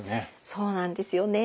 そうなんですよね。